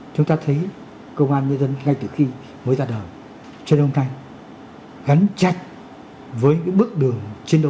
chúng ta thấy công an nhân dân ngay từ khi mới ra đời trên hôm nay gắn chạch với những bước đường chiến đấu